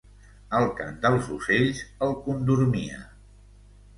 El cant dels ocells el condormia.